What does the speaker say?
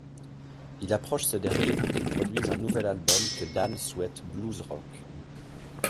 Il approche ce dernier pour qu'il produise un nouvel album que Dan souhaite blues-rock.